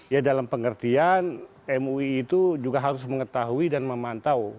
ya dalam pengertian mui itu juga harus mengetahui dan memantau